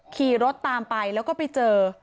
ขี่รถตามไปแล้วก็ไปเจอ